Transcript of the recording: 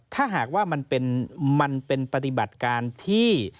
ถ้าหากว่ามันเป็นปฏิบัติการที่